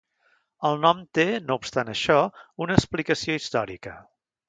El nom té, no obstant això, una explicació històrica.